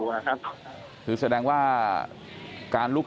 เหลือเพียงกลุ่มเจ้าหน้าที่ตอนนี้ได้ทำการแตกกลุ่มออกมาแล้วนะครับ